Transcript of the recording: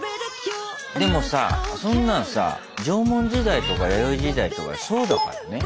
でもさそんなんさ縄文時代とか弥生時代とかそうだからね。